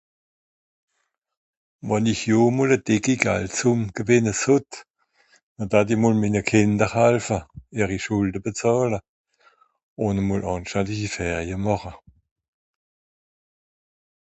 Wànn ìch jo e mol e dìcke Galdsùmm gewìnne sott, noh datt i mol minne Kìnder halfa, ìhri Schùlde bezàhla. Ùn e mol ànstandischi Ferie màcha.